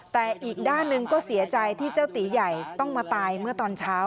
แต่อีกด้านหนึ่งก็เสียใจที่เจ้าตีใหญ่ต้องมาตายเมื่อตอนเช้า